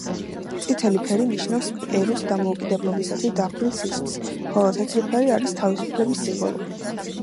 წითელი ფერი ნიშნავს პერუს დამოუკიდებლობისათვის დაღვრილ სისხლს, ხოლო თეთრი ფერი არის თავისუფლების სიმბოლო.